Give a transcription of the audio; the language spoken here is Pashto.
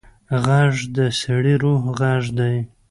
غږ د ستړي روح غږ دی